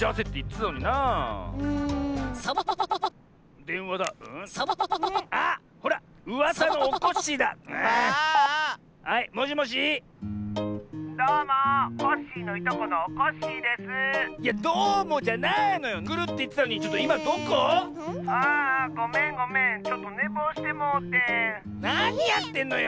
なにやってんのよ！